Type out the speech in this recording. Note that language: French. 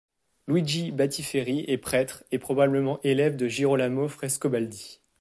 Luigi Battiferri est prêtre et probablement élève de Girolamo Frescobaldi.